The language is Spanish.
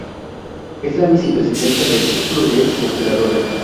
Es la vicepresidenta del Círculo de ex Legisladores.